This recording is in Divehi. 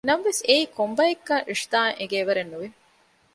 ނަމަވެސް އެއީ ކޮންބައެއްކަން ރިޝްދާއަށް އެނގޭވަރެއް ނުވި